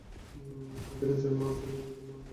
তোমাদের নিজের মা তুমি আমাদের মা না কি বলতে চাও?